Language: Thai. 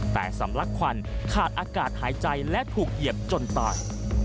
แต่สำลักควันขาดอากาศหายใจและถูกเหยียบจนตาย